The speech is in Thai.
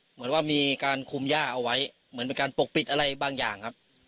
เหมือนว่ามีการคุมย่าเอาไว้เหมือนเป็นการปกปิดอะไรบางอย่างครับ